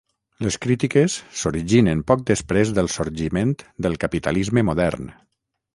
Les crítiques s'originen poc després del sorgiment del capitalisme modern.